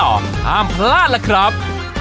กันต่อห้ามพลาดละครับ